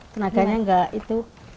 tenaganya enggak itu